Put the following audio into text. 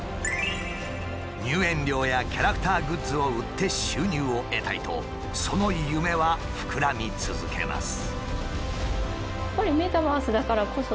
入園料やキャラクターグッズを売って収入を得たいとその夢は膨らみ続けます。